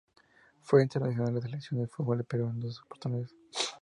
Fue internacional con la Selección de fútbol de Perú en dos oportunidades.